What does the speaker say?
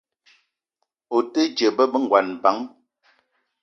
O te dje be ngon bang ?